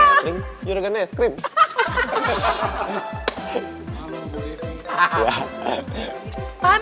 saya rach internet saya ya giant boom